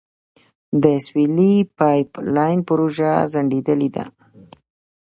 د سولې پایپ لاین پروژه ځنډیدلې ده.